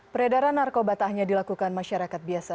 peredaran narkoba tak hanya dilakukan masyarakat biasa